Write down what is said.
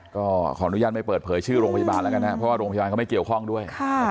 ก็ขออนุญาตไม่เปิดเผยชื่อโรงพยาบาลแล้วกันนะครับเพราะว่าโรงพยาบาลเขาไม่เกี่ยวข้องด้วย